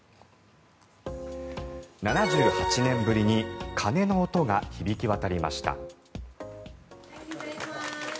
７８年ぶりに鐘の音が響き渡りました。